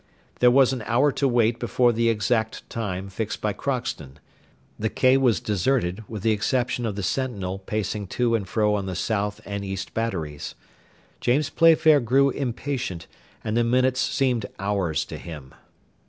There was an hour to wait before the exact time fixed by Crockston; the quay was deserted, with the exception of the sentinel pacing to and fro on the south and east batteries. James Playfair grew impatient, and the minutes seemed hours to him.